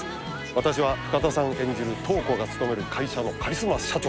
私は深田さん演じる瞳子が勤める会社のカリスマ社長